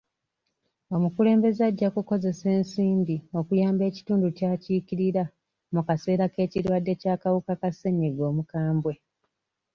Omukulembeze ajja kukozesa ensimbi okuyamba ekitundu ky'akiikirira mu kaseera k'ekirwadde ky'akawuka ka ssenyiga omukambwe.